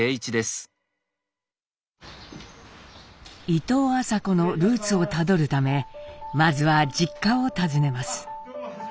「伊藤麻子」のルーツをたどるためまずは実家を訪ねます。